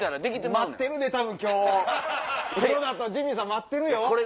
待ってるで今日黒田とジミーさん待ってるよ。